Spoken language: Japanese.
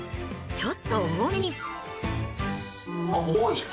ちょっと多めに。